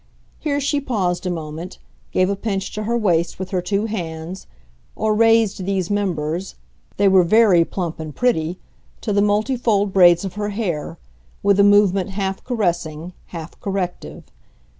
Here she paused a moment, gave a pinch to her waist with her two hands, or raised these members—they were very plump and pretty—to the multifold braids of her hair, with a movement half caressing, half corrective.